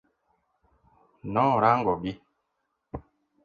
Norango gi.